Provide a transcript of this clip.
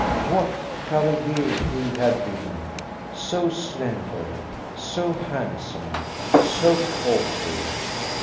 What a cavalier he had been, so slender, so handsome, so courtly